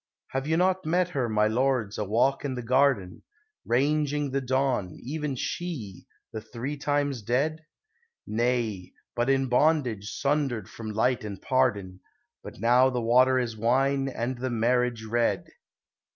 Have you not met her, my lords, a walk in the garden, Ranging the dawn, even she, the three times dead? Nay! But in bondage, sundered from light and pardon But now the water is wine, and the marriage read.